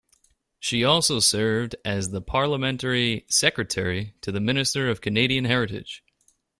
She also served as Parliamentary Secretary to the Minister of Canadian Heritage.